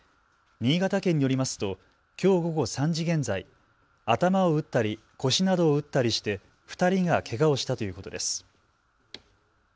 新潟県によりますときょう午後３時現在、頭を打ったり腰などを打ったりして２人がけがをしたということです。